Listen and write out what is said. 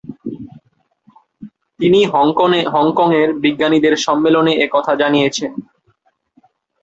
তিনি হংকংয়ের বিজ্ঞানীদের সম্মেলনে এ কথা জানিয়েছেন।